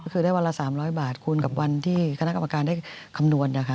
ก็คือได้วันละ๓๐๐บาทคูณกับวันที่คณะกรรมการได้คำนวณนะคะ